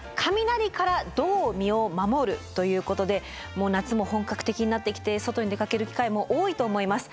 ということで夏も本格的になってきて外に出かける機会も多いと思います。